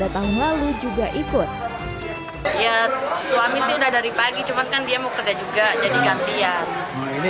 tahun lalu juga ikut ya suami sih udah dari pagi cuman kan dia mau kerja juga jadi gantian ini